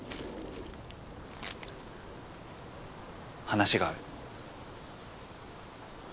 話がある。